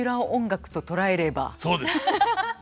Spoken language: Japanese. そうです。